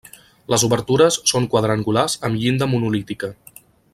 Les obertures són quadrangulars amb llinda monolítica.